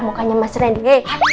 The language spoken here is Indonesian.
mukanya mas randy